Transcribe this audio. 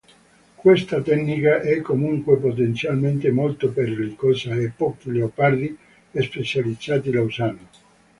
Questa tecnica è comunque potenzialmente molto pericolosa e pochi leopardi specializzati la usano.